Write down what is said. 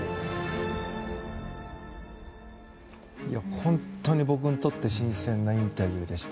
本当に、僕にとって新鮮なインタビューでした。